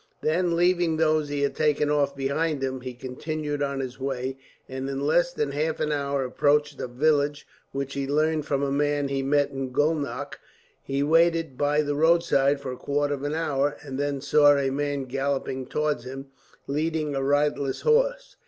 Then, leaving those he had taken off behind him, he continued on his way, and in less than half an hour approached a village, which he learned from a man he met was Gulnach. He waited by the roadside for a quarter of an hour, and then saw a man galloping towards him, leading a riderless horse.